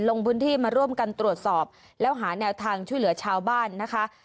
ลงพื้นที่มาร่วมกันตรวจสอบแล้วหาแนวทางช่วยเหลือชาวบ้านนะคะ